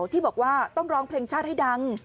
ที่บอกว่าต้องร้องเพลงชาติให้ดัง